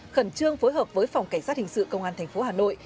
khẩn trương phối hợp với phòng cảnh sát hình sự công an tp hà nội